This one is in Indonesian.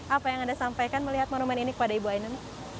apa yang anda sampaikan melihat monumen ini kepada ibu ainun